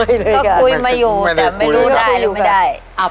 ก็คุยมาอยู่แต่ไม่ได้ก่อน